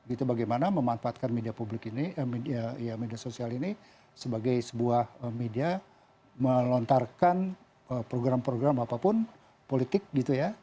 itu bagaimana memanfaatkan media publik ini media sosial ini sebagai sebuah media melontarkan program program apapun politik gitu ya